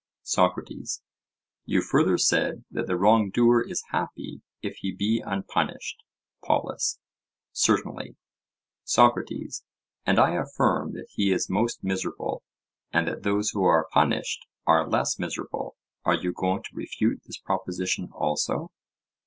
SOCRATES: You further said that the wrong doer is happy if he be unpunished? POLUS: Certainly. SOCRATES: And I affirm that he is most miserable, and that those who are punished are less miserable—are you going to refute this proposition also?